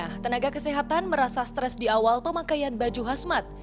nah tenaga kesehatan merasa stres di awal pemakaian baju khasmat